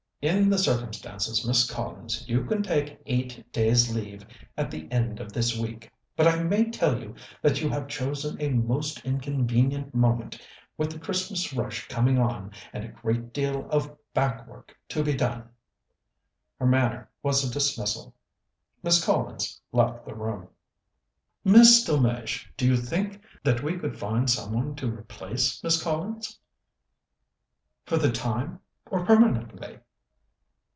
"In the circumstances, Miss Collins, you can take eight days' leave at the end of this week. But I may tell you that you have chosen a most inconvenient moment, with the Christmas rush coming on and a great deal of back work to be done." Her manner was a dismissal. Miss Collins left the room. "Miss Delmege, do you think that we could find some one to replace Miss Collins?" "For the time or permanently?"